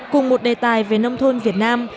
cùng một đề tài về nông thôn việt nam